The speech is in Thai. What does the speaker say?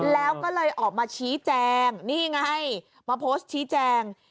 แล้วก็เลยออกมาชี้แจงนี่ไงมาโพสต์ชี้แจง